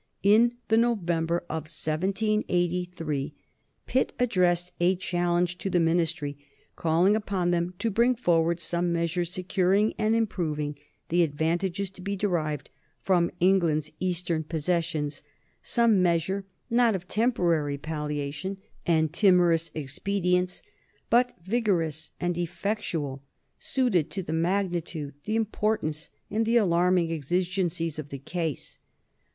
In the November of 1783, Pitt addressed a challenge to the Ministry calling upon them to bring forward some measure securing and improving the advantages to be derived from England's Eastern possessions, some measure not of temporary palliation and timorous expedients, but vigorous and effectual, suited to the magnitude, the importance, and the alarming exigencies of the case.